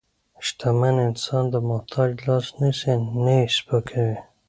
شتمن انسان د محتاج لاس نیسي، نه یې سپکوي.